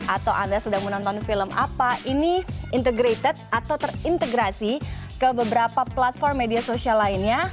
atau anda sedang menonton film apa ini integrated atau terintegrasi ke beberapa platform media sosial lainnya